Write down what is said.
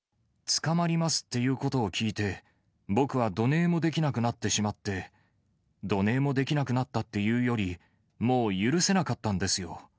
捕まりますっていうことを聞いて、僕はどねーもできなくなってしまって、どねーもできなくなったというより、もう許せなかったんですよ。